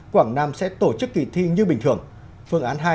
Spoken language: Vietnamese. quảng nam sẽ tổ chức kỳ thi như bình thường